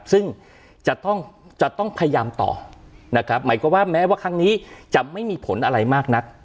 ซึ่งจะต้องจะต้องพยายามต่อนะครับหมายความว่าแม้ว่าครั้งนี้จะไม่มีผลอะไรมากนัก